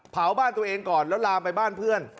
เผาบ้านตัวเองก่อนแล้วลามไปบ้านเพื่อน